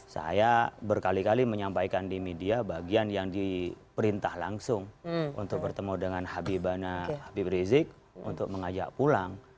saya berkali kali menyampaikan di media bagian yang diperintah langsung untuk bertemu dengan habib rizik untuk mengajak pulang